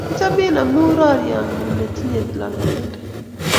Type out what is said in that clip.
Achamin amu rorye ng'ung' ne tinye lolong'indo